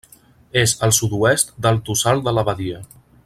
És al sud-oest del Tossal de l'Abadia.